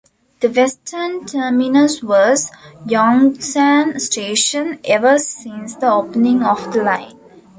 The western terminus was Yongsan Station ever since the opening of the line.